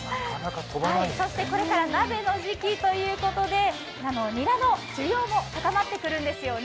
これから鍋の時期ということでニラの需要も高まってくるんですよね。